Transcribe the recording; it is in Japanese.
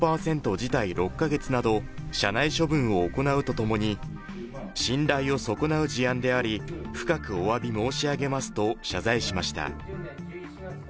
辞退６か月など社内処分を行うとともに信頼を損なう事案であり深くおわび申し上げますと謝罪しました。